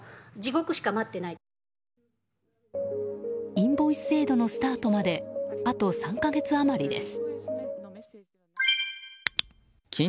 インボイス制度のスタートまであと３か月余りです。